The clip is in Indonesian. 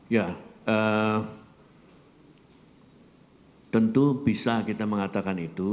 ya tentu bisa kita mengatakan itu